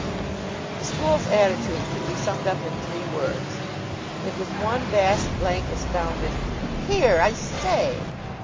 The school's attitude can be summed up in three words. It was one vast, blank, astounded "Here, I say!"